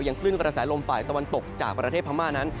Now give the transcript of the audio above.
คลื่นกระแสลมฝ่ายตะวันตกจากประเทศพม่านั้น